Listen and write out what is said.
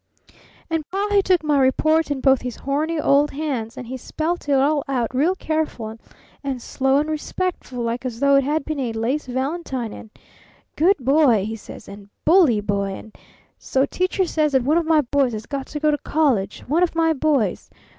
"And Pa he took my report in both his horny old hands and he spelt it all out real careful and slow and respectful, like as though it had been a lace valentine, and 'Good boy!' he says, and 'Bully boy!' and 'So Teacher says that one of my boys has got to go to college? One of my boys?